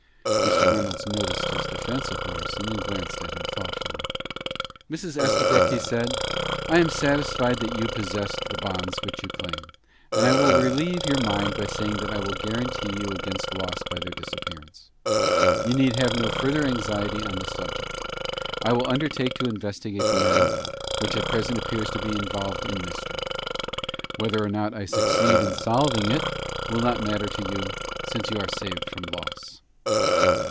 Mr. Reynolds noticed his defense of Morrison, and glanced at him thoughtfully. "Mrs. Estabrook," he said, "I am satisfied that you possessed the bonds which you claim, and I will relieve your mind by saying that I will guarantee you against loss by their disappearance. You need have no further anxiety on the subject. I will undertake to investigate the matter, which at present appears to be involved in mystery. Whether or not I succeed in solving it will not matter to you, since you are saved from loss."